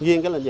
nguyên cái là